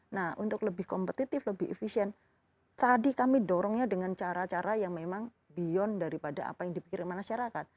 nah untuk lebih kompetitif lebih efisien tadi kami dorongnya dengan cara cara yang memang beyond daripada apa yang dipikirkan masyarakat